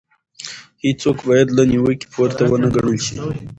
هيڅوک بايد له نيوکې پورته ونه ګڼل شي.